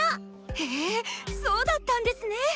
へぇそうだったんですね。